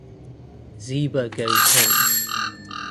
Zeba goes home.